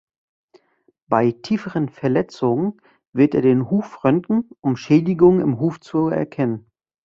Bei tieferen Verletzungen wird er den Huf röntgen, um Schädigungen im Huf zu erkennen.